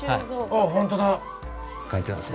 あっ本当だ。